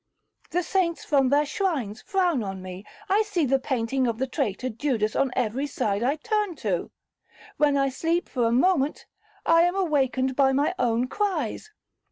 The saints from their shrines frown on me,—I see the painting of the traitor Judas on every side I turn to. When I sleep for a moment, I am awakened by my own cries.